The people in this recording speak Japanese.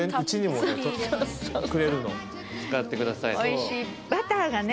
美味しいバターがね